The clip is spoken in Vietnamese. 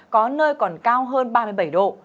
có nơi còn cao hơn ba mươi bảy độ